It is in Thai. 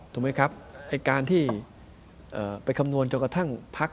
ถูกไหมครับไอ้การที่ไปคำนวณจนกระทั่งพัก